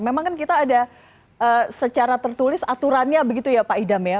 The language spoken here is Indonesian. memang kan kita ada secara tertulis aturannya begitu ya pak idam ya